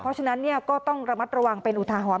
เพราะฉะนั้นก็ต้องระมัดระวังเป็นอุทาหรณ